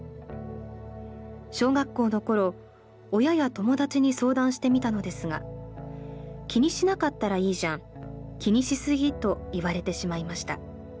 小学校の頃親や友達に相談してみたのですが『気にしなかったらいいじゃん』『気にしすぎ』と言われてしまいました。